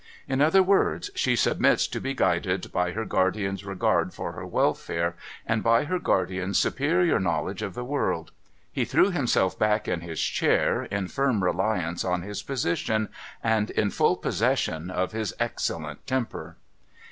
In other words, she submits to be guided by her guardian's regard for her welfare, and by her guardian's superior knowledge of the world.' He threw himself back in his chair, in firm reliance on his position, and in full possession of his excellent temper.